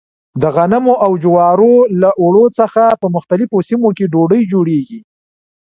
د غنمو او جوارو له اوړو څخه په مختلفو سیمو کې ډوډۍ جوړېږي.